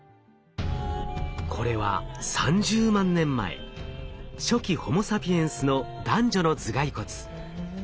これは３０万年前初期ホモサピエンスの男女の頭蓋骨。